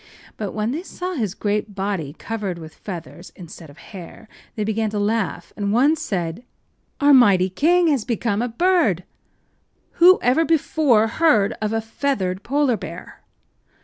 But when they saw his great body covered with feathers instead of hair they began to laugh, and one said: “Our mighty king has become a bird! Who ever before heard of a feathered polar bear?